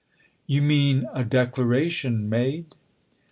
" You mean a declaration made